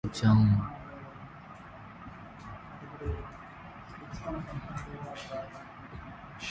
During the Ming dynasty, major architectural works were created in Sichuan.